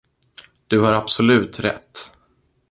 Du har absolut rätt.